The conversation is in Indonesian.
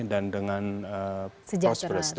dan dengan prosperous